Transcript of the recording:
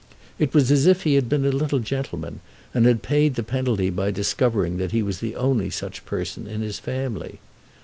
It was as if he had been a little gentleman and had paid the penalty by discovering that he was the only such person in his family.